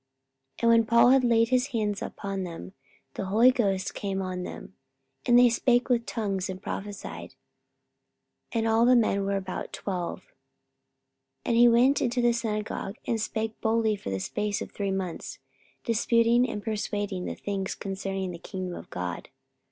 44:019:006 And when Paul had laid his hands upon them, the Holy Ghost came on them; and they spake with tongues, and prophesied. 44:019:007 And all the men were about twelve. 44:019:008 And he went into the synagogue, and spake boldly for the space of three months, disputing and persuading the things concerning the kingdom of God.